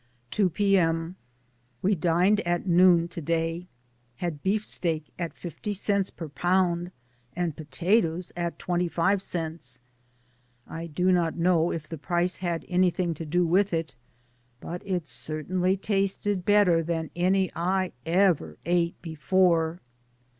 2 p. M. — We dined at noon to day. Had beefsteak at fifty cents per pound and pota toes at twenty five cents. I do not know if the price had anything to do with it, but it certainly tasted better than any I ever ate before.